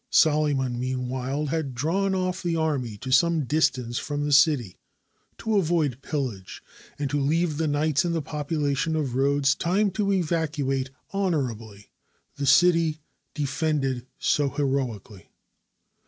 Solyman, meanwhile, had drawn ofif the army to some distance from the city, to avoid pillage, and to leave the knights and the population of Rhodes time to evacuate honorably the city defended so heroically.